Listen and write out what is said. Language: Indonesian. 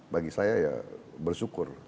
bagi saya ya bersyukur